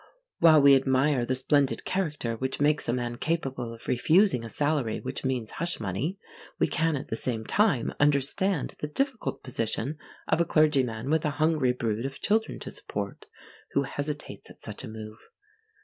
While we admire the splendid character which makes a man capable of refusing a salary which means hush money, we can at the same time understand the difficult position of a clergyman with a hungry brood of children to support, who hesitates at such a move.